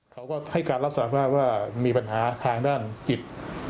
เขาก็ให้การรับสารภาพว่ามีปัญหาทางด้านจิต